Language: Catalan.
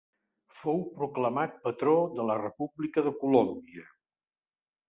Fou proclamat patró de la República de Colòmbia.